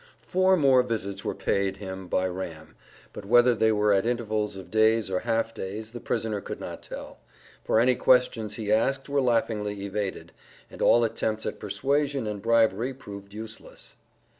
Four more visits were paid him by Ram, but whether they were at intervals of days or half days, the prisoner could not tell, for any questions he asked were laughingly evaded, and all attempts at persuasion and bribery proved useless.